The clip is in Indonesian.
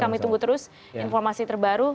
kami tunggu terus informasi terbaru